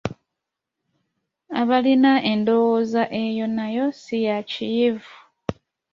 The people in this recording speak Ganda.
Abalina endowooza eyo nayo si ya Kiyivu